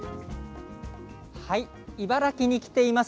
茨城に来ています。